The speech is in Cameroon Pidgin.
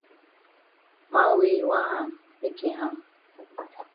Man wey yi wan hang make yi hang.